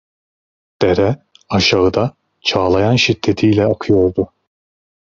Dere, aşağıda, çağlayan şiddetiyle akıyordu.